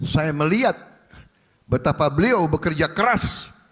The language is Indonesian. saya melihat betapa beliau bekerja keras